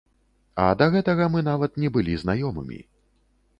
А да гэтага мы нават не былі знаёмымі.